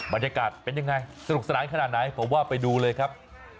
บรรยากาศเป็นยังไงสนุกสนานขนาดไหนผมว่าไปดูเลยครับ